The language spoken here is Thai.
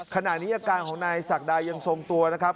ขณะนี้อาการของนายศักดายังทรงตัวนะครับ